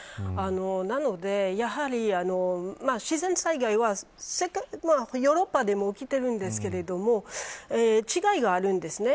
なので、やはり自然災害はヨーロッパでも起きているんですが違いがあるんですね。